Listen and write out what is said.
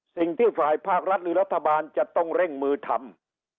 สิ่งที่ฝ่ายภาครัฐหรือรัฐบาลจะต้องเร่งมือทำ